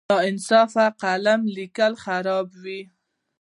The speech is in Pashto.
ناصاف قلم لیکل خرابوي.